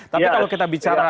tapi kalau kita bicara